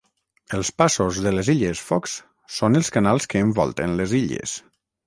Els passos de les Illes Fox són els canals que envolten les illes.